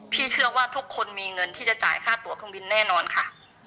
เชื่อว่าทุกคนมีเงินที่จะจ่ายค่าตัวเครื่องบินแน่นอนค่ะ